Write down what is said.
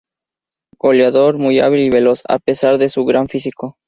Goleador, muy hábil y veloz, a pesar de su gran físico.